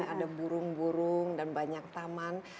ada burung burung dan banyak taman